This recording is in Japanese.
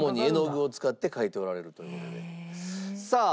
さあ。